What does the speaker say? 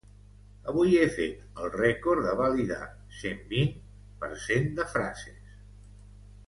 Avui he fet el rècord de validar cent vint per cent de frases.